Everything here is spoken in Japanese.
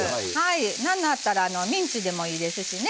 なんだったらミンチでもいいですしね。